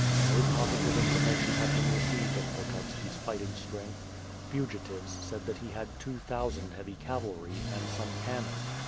No positive informa tion had been received of Pototski's fighting strenj^th. Vwn tives said that he had two thousand heavy cavalry, and somo cannon.